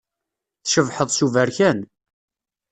Tcebḥeḍ s uberkan.